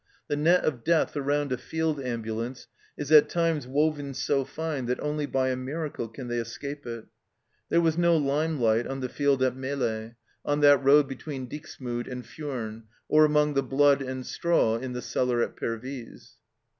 " The net of death around a field ambulance is at times woven so fine that only by a miracle can they escape it. " There was no limelight on the field at Melle, SHELLED OUT on that road between Dixmude and Furnes, or among the blood and straw in the cellar at Pervyse."